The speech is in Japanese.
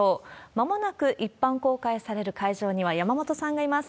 まもなく一般公開される会場には山本さんがいます。